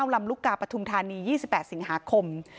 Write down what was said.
ลำลูกกาปฐุมธานี๒๘สิงหาคม